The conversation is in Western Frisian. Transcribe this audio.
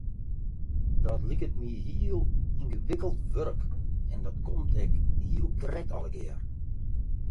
Dat liket my heel yngewikkeld wurk en dat komt ek heel krekt allegear.